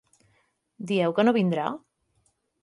Dieu que no vindrà?